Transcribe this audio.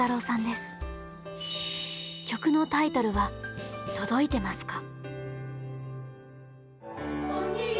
曲のタイトルは「とどいてますか」。